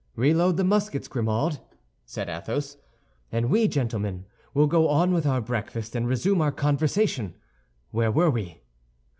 "Reload the muskets, Grimaud," said Athos, "and we, gentlemen, will go on with our breakfast, and resume our conversation. Where were we?"